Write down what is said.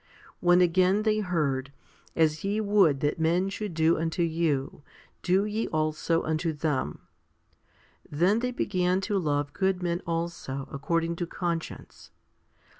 When again they heard, As ye would that men should do unto you, do ye also unto them, 3 then they began to love good men also according to conscience.